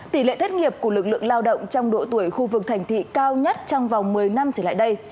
tỷ lệ thất nghiệp của lực lượng lao động trong độ tuổi khu vực thành thị cao nhất trong vòng một mươi năm trở lại đây